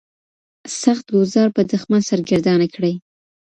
سخت ګوزار به دښمن سرګردانه کړي.